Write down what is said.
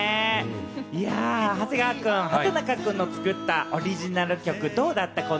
いや、長谷川くん、畠中くんの作ったオリジナル曲、どうだった？